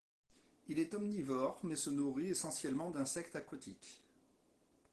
Il est omnivore mais se nourrit essentiellement d’insectes aquatiques.